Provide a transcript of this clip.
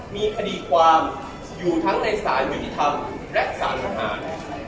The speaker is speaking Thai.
มีคดีความอยู่ทั้งในศาลวิทธิธรรมและศาลประหาร